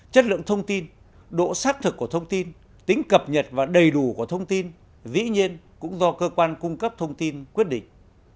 chất lượng thông tin độ xác thực của thông tin tính cập nhật và đầy đủ của thông tin dĩ nhiên cũng do cơ quan cung cấp thông tin quyết định